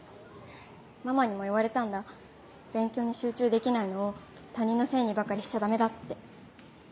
ママにも言われたんだ勉強に集中できないのを他人のせいにばかりしちゃダメだって。